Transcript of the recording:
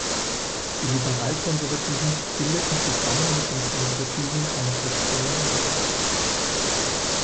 Die Liberal-Konservativen bildeten zusammen mit den Konservativen eine Fraktion im Unterhaus